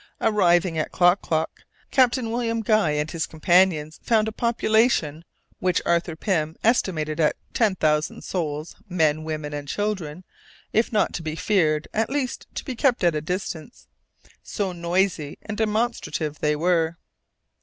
On arriving at Klock Klock, Captain William Guy and his companions found a population which Arthur Pym estimated at ten thousand souls, men, women, and children if not to be feared, at least to be kept at a distance, so noisy and demonstrative were they.